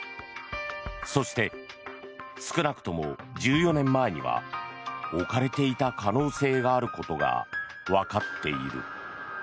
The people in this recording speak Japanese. そして少なくとも１４年前には置かれていた可能性があることがわかっている。